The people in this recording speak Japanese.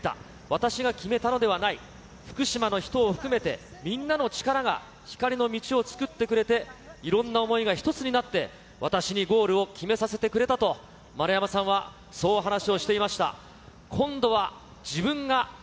私が決めたのではない、福島の人を含めて、みんなの力が光の道を作ってくれて、いろんな想いが一つになって、私にゴールを決めさせてくれたと、さあ、続いては日本列島ダーツの旅的インタビューです。